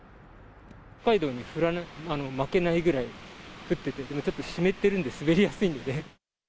北海道に負けないぐらい降ってて、ちょっと湿ってるんで滑りやすいので。